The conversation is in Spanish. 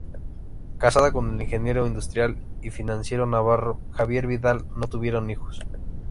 Casada con el ingeniero industrial y financiero navarro, Javier Vidal, no tuvieron hijos.